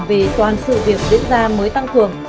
vì toàn sự việc diễn ra mới tăng cường